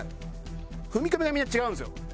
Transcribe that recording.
踏み込みがみんな違うんですよ。